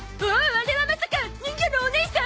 あれはまさか人魚のおねいさん！？